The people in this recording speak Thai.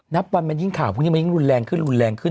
นับบันมันยิ่งขาวพวกนี้มันยิ่งรุนแรงขึ้น